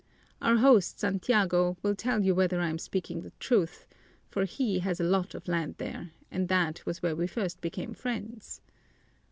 Our host, Santiago, will tell you whether I am speaking the truth, for he has a lot of land there and that was where we first became friends.